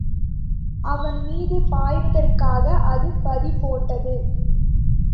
அவன்மீது பாய்வதற்காக அது பதி போட்டது.